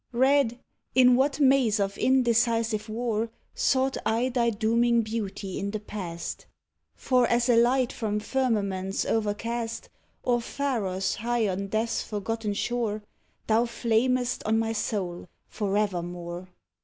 Red, in what maze of indecisive war, Sought I thy dooming beauty in the past? For as a light from firmaments o'ercast, Or pharos high on Death's forgotten shore, Thou flamest on my soul for evermore.